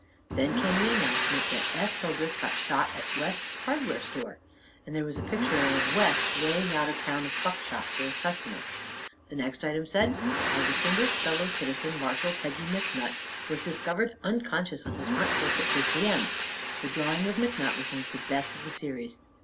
Then came the announcement that "Eph Hildreth got shot at West's hardware store," and there was a picture of West weighing out a pound of buckshot for his customer. The next item said: "Our distinguished fellow citizen, Marshall Peggy McNutt, was discovered unconscious on his front porch at 3 p.m." The drawing of McNutt was one of the best of the series.